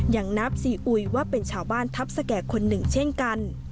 ยังนับซีอุยว่าเป็นชาวบ้านทัพสแก่คนหนึ่งเช่นกัน